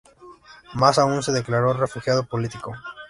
Más aún se declaró refugiado político.